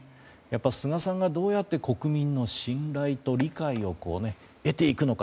菅さんがどうやって国民の信頼と理解を得ていくのか。